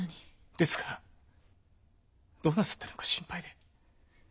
ですがどうなさったのか心配で。